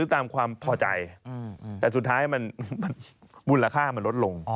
ตามความพอใจแต่สุดท้ายมันมูลค่ามันลดลง